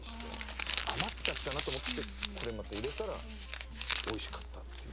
余っちゃったなと思ってこれまた入れたらおいしかったっていう。